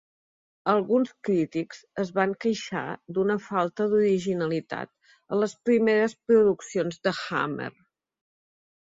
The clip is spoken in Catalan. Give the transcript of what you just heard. Alguns crítics es van queixar d'una falta d'originalitat a les primeres produccions de Hammer.